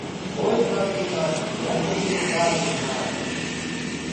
Ой татку, татку, як я буду грати, грати!